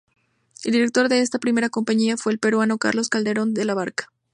El director de esta primera compañía fue el peruano Carlos Calderón de la Barca.